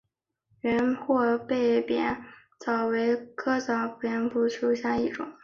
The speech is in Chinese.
圆货贝扁裸藻为裸藻科扁裸藻属下的一个种。